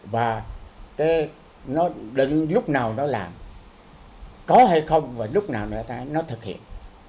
và nó định lúc nào nó làm có hay không và lúc nào nó thực hiện